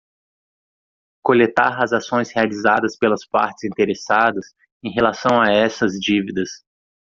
Coletar as ações realizadas pelas partes interessadas em relação a essas dívidas.